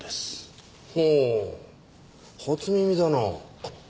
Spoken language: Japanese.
ほう初耳だなあ。